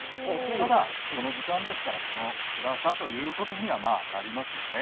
ただ、この時間ですからこの暗さということになります。